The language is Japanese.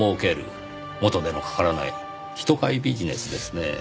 元手のかからない人買いビジネスですねぇ。